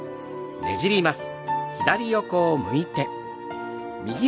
ねじります。